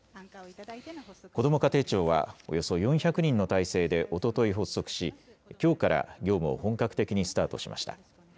こども家庭庁は、およそ４００人の体制でおととい発足し、きょうから業務を本格的にスタートしました。